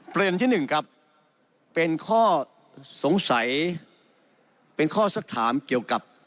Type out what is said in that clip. ประเด็นที่หนึ่งครับเป็นข้อสงสัยเป็นข้อสักถามเกี่ยวกับ